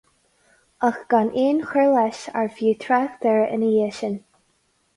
Ach gan aon chur leis arbh fhiú trácht air ina dhiaidh sin.